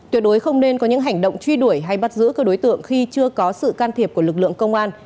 tuyệt đối không nên có những hành động truy đuổi hay bắt giữ các đối tượng khi chưa có sự can thiệp của lực lượng công an